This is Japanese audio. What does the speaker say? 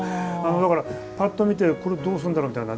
だから、パッと見てこれどうするんだろうみたいな。